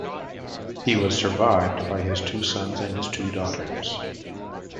He was survived by his two sons and his two daughters.